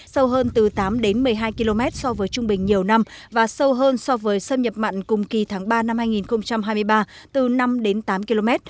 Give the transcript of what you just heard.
sâu hơn từ tám đến một mươi hai km so với trung bình nhiều năm và sâu hơn so với xâm nhập mặn cùng kỳ tháng ba năm hai nghìn hai mươi ba từ năm đến tám km